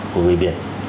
của người việt